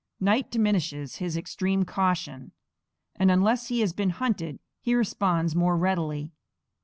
Night diminishes his extreme caution, and unless he has been hunted he responds more readily.